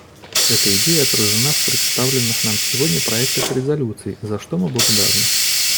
Эта идея отражена в представленных нам сегодня проектах резолюций, за что мы благодарны.